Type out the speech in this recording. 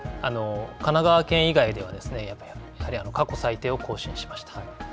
神奈川県以外ではやはり過去最低を更新しました。